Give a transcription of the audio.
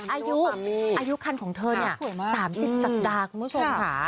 อายุคันของเธอเนี่ย๓๐สัปดาห์คุณผู้ชมค่ะ